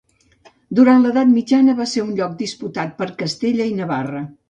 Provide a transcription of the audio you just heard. Durant l'edat mitjana va ser un lloc disputat per Castella i Navarra.